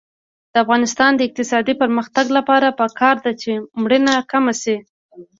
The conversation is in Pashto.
د افغانستان د اقتصادي پرمختګ لپاره پکار ده چې مړینه کمه شي.